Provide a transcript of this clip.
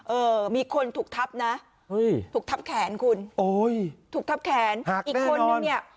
เออมีคนถูกทับนะเฮ้ยถูกทับแขนคุณโอ้ยถูกทับแขนอีกคนนึงเนี่ย